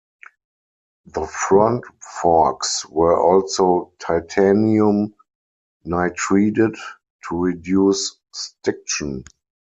The front forks were also titanium nitrided to reduce stiction.